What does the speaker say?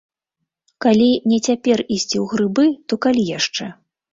Калі не цяпер ісці ў грыбы, то калі яшчэ.